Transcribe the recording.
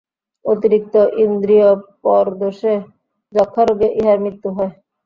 অতিরিক্ত ইন্দ্রিয়পরদোষে যক্ষ্মারোগে ইঁহার মৃত্যু হয়।